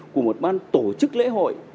của một ban tổ chức lễ hội